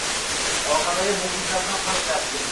Bag’ri chok-chok s.o’kildi.